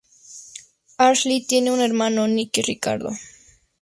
Ashley tiene un hermano Nicky Ricardo.